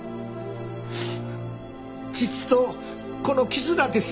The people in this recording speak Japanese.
父と子の絆です。